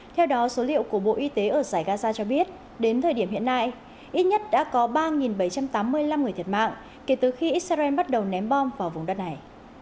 theo đó số liệu của bộ y tế ở giải gaza cho biết đến thời điểm hiện nay ít nhất đã có ba bảy trăm tám mươi năm người thiệt mạng kể từ khi israel bắt đầu ném bom vào vùng đất này